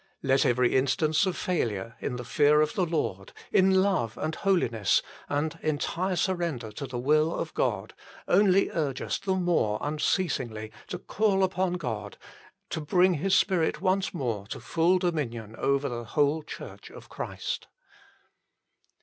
Let every instance HOW LITTLE IT IS ENJOYED 53 of failure in the fear of the Lord, in love, and holiness, and entire surrender to the will of God, only urge us the more unceasingly to call upon God to bring His Spirit once more to full dominion over the whole Church of Christ.